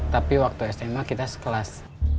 tapi waktu sma kita sekelas